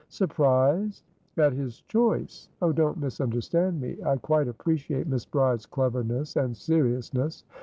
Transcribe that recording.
"Surprised?" "At his choice. Oh, don't misunderstand me. I quite appreciate Miss Bride's cleverness and seriousness.